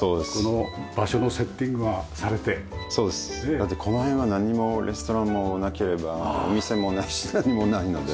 だってこの辺は何もレストランもなければお店もないし何もないので。